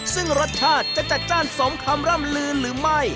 ซึ่งรสชาติจะจัดจ้านสมคำร่ำลืนหรือไม่